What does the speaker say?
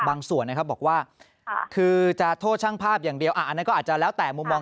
ส่วนนะครับบอกว่าคือจะโทษช่างภาพอย่างเดียวอันนั้นก็อาจจะแล้วแต่มุมมอง